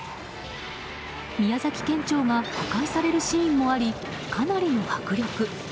宮崎県庁が破壊されるシーンもありかなりの迫力。